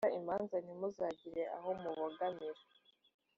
ubumwe n’ubwiyunge bw’abanyarwnda